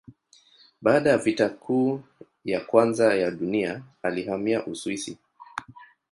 Baada ya Vita Kuu ya Kwanza ya Dunia alihamia Uswisi.